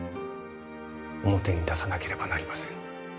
表に出さなければなりません